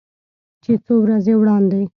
چې څو ورځې وړاندې